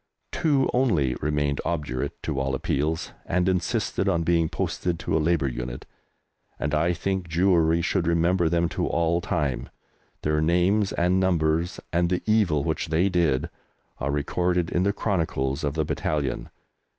Two only remained obdurate to all appeals, and insisted on being posted to a Labour unit, and I think Jewry should remember them to all time. Their names and numbers, and the evil which they did, are recorded in the chronicles of the battalion.